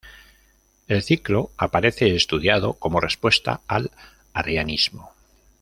El ciclo aparece estudiado como respuesta al arrianismo.